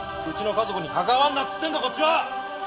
うちの家族に関わんなっつってんだこっちは！